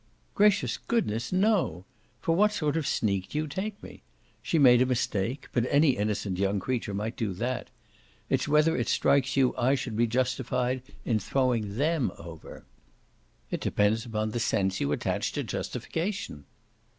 "Gracious goodness, no! For what sort of sneak do you take me? She made a mistake, but any innocent young creature might do that. It's whether it strikes you I should be justified in throwing THEM over." "It depends upon the sense you attach to justification."